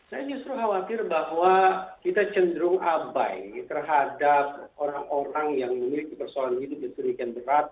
saya justru khawatir bahwa kita cenderung abai terhadap orang orang yang memiliki persoalan hidup yang sedemikian berat